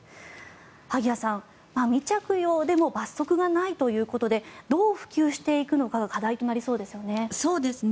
萩谷さん、未着用でも罰則がないということでどう普及していくのかが課題となりそうですよね。